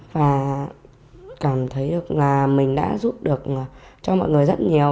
và cảm thấy được là mình đã giúp được cho mọi người rất nhiều